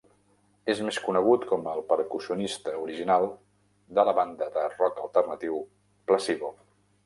És més conegut com el percussionista original de la banda de rock alternatiu Placebo.